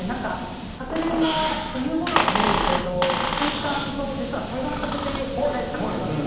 昨年の冬頃に水カンと実は対バンさせていただいた事があって。